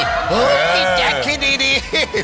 อ๋ออีแจ็คคิดดีดี